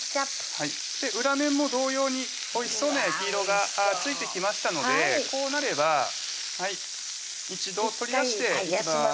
はい裏面も同様においしそうな焼き色がついてきましたのでこうなれば一度取り出しておきます